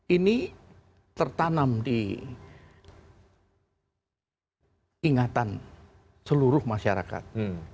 ini tertanam di ingatan seluruh masyarakat